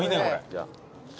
じゃあ。